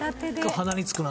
鼻につくな。